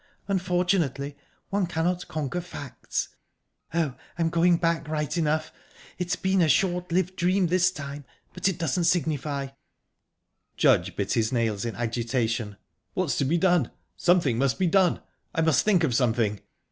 "Unfortunately, one cannot conquer facts. Oh, I'm going back right enough. It's been a short lived dream this time but it doesn't signify." Judge bit his nails in agitation. "What's to be done? Something must be done. I must think of something..."